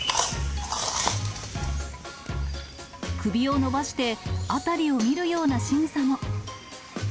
首を伸ばして、辺りを見るようなしぐさも。